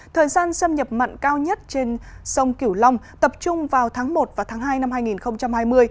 thời gian xâm nhập mặn cao nhất trên sông kiểu long tập trung vào tháng một và tháng hai năm hai nghìn hai mươi